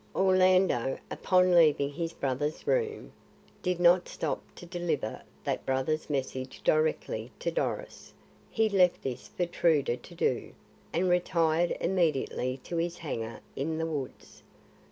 Orlando, upon leaving his brother's room, did not stop to deliver that brother's message directly to Doris; he left this for Truda to do, and retired immediately to his hangar in the woods.